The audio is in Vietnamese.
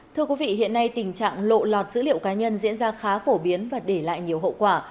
thưa quý vị hiện nay tình trạng lộ lọt dữ liệu cá nhân diễn ra khá phổ biến và để lại nhiều hậu quả